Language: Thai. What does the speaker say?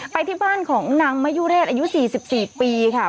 ไปที่บ้านของนางมะยุเรศอายุ๔๔ปีค่ะ